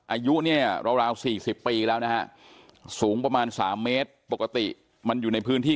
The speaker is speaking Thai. อายุเนี่ยราว๔๐ปีแล้วนะฮะสูงประมาณ๓เมตรปกติมันอยู่ในพื้นที่